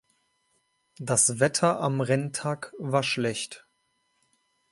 Das Wetter am Renntag war schlecht.